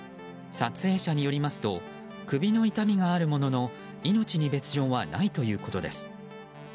撮影者によりますと首の痛みがあるものの命に別状はないということです。